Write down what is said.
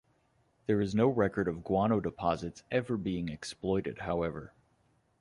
There is no record of guano deposits ever being exploited, however.